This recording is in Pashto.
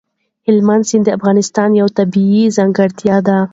هلمند سیند د افغانستان یوه طبیعي ځانګړتیا ده.